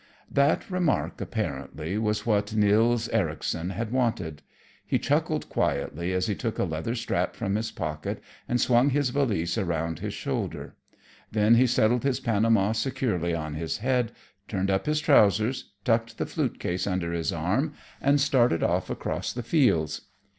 That remark, apparently, was what Nils Ericson had wanted. He chuckled quietly as he took a leather strap from his pocket and swung his valise around his shoulder. Then he settled his Panama securely on his head, turned up his trousers, tucked the flute case under his arm, and started off across the fields.